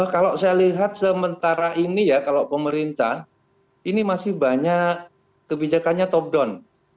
kalau saya lihat sementara ini ya kalau pemerintah ini masih banyak kebijakannya top down